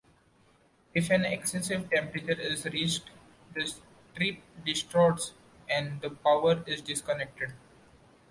If an excessive temperature is reached the strip distorts and the power is disconnected.